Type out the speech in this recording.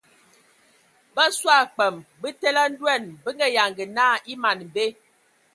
Bə soe a kpəm bətele a ndoan bə nga yanga na e man be.